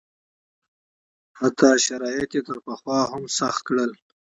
حتی شرایط یې تر پخوا هم سخت کړل.